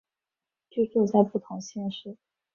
居住在不同县市